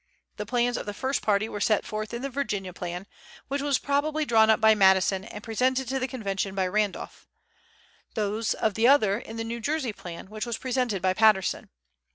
The plans of the first party were set forth in the Virginia Plan, which was probably drawn up by Madison and presented to the Convention by Randolph; those of the other in the New Jersey Plan, which was presented by Patterson.